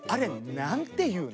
何て言うの？